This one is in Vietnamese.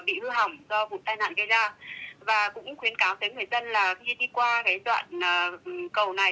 và cũng khuyến cáo tới người dân là khi đi qua đoạn cầu này